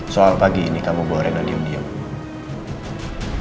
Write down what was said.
soal pagi ini kamu bawa rena diam diam